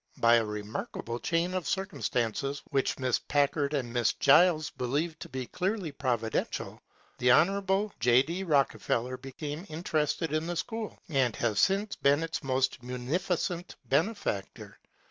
By a remarkable chain of circumstan ces which Miss Packard and Miss Giles believed to be clearly providential, the Hon. J. D. Rockefeller became interested in the school and has since been its most munificent bene&ctor.